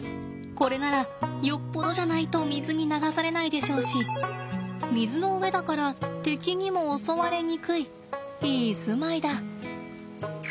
これならよっぽどじゃないと水に流されないでしょうし水の上だから敵にも襲われにくいいい住まいだ。